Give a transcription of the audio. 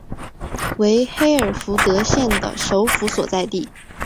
为黑尔福德县的首府所在地。